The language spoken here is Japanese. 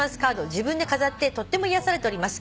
自分で飾ってとっても癒やされております」